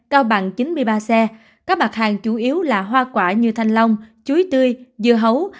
cao bằng chín mươi ba xe các mặt hàng chủ yếu là hoa quả như thanh long chuối tươi dưa hấu